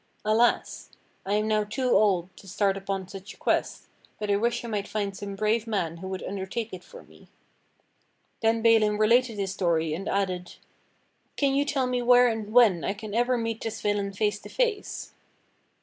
Alas! I am now tOo old to start upon such a quest; but I wish I might find some brave man who would undertake it for me." THE DOLOROUS STROKE 101 Then Balin related liis story and added: "Can 3'oii tell me where and when I can ever meet this villain face to face?"